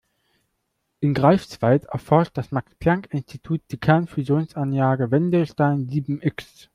In Greifswald erforscht das Max-Planck-Institut die Kernfusionsanlage Wendelstein sieben-X.